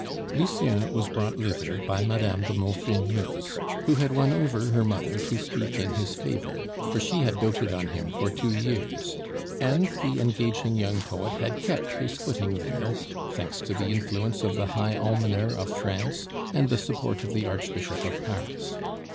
Lucien was brought thither by Madame de Maufrigneuse, who had won over her mother to speak in his favor, for she had doted on him for two years; and the engaging young poet had kept his footing there, thanks to the influence of the high Almoner of France, and the support of the Archbishop of Paris.